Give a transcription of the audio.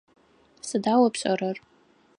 Сыда о пшӏэрэр?